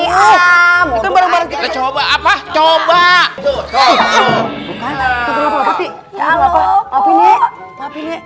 jangan diberat berarti bagaimana sih kulitnya eh lu salah ini terbawa ini ini agak berat ini